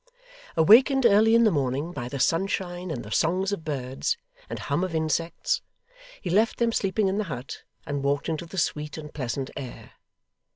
Awakened early in the morning, by the sunshine and the songs of birds, and hum of insects, he left them sleeping in the hut, and walked into the sweet and pleasant air.